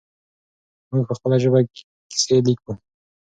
موږ په خپله ژبه کیسې لیکو.